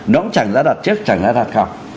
nó cũng chẳng ra đặt trước chẳng ra đặt cầu